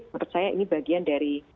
menurut saya ini bagian dari